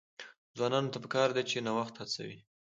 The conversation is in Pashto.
ځوانانو ته پکار ده چې، نوښت هڅوي.